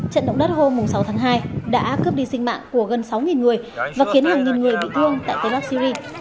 trận động đất hôm sáu tháng hai đã cướp đi sinh mạng của gần sáu người và khiến hàng nghìn người bị thương tại tây bắc syri